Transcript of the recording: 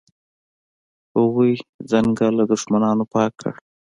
هغوی ځنګل له دښمنانو پاک کړ.